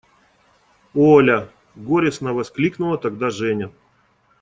– Оля! – горестно воскликнула тогда Женя.